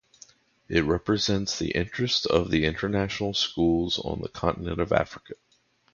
It represents the interests of international schools on the continent of Africa.